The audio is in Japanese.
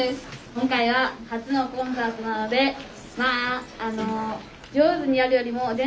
今回は初のコンサートなのでまああの上手にやるよりも全力で楽しもうと思います！